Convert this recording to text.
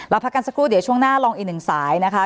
พักกันสักครู่เดี๋ยวช่วงหน้าลองอีกหนึ่งสายนะคะ